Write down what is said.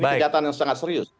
ini kejahatan yang sangat serius